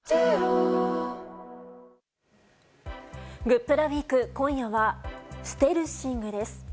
グップラウィーク今夜はステルシングです。